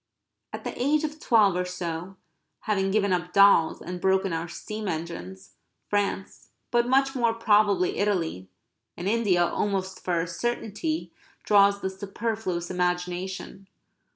At the age of twelve or so, having given up dolls and broken our steam engines, France, but much more probably Italy, and India almost for a certainty, draws the superfluous imagination.